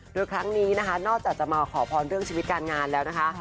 โดยครั้งนี้นะคะนอกจากจะมาขอพรเรื่องชีวิตการงานแล้วนะคะ